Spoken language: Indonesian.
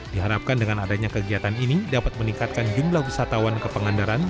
diharapkan dengan adanya kegiatan ini dapat meningkatkan jumlah wisatawan ke pengandaran